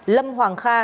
lâm hoàng kha